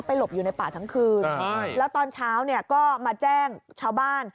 หลบอยู่ในป่าทั้งคืนแล้วตอนเช้าเนี่ยก็มาแจ้งชาวบ้าน